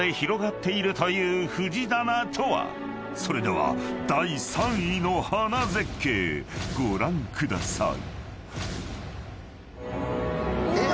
［それでは第３位の花絶景ご覧ください］うわ！